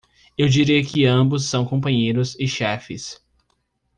Eu diria que ambos são companheiros e chefes.